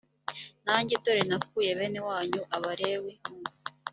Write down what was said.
nanjye dore nakuye bene wanyu abalewi mu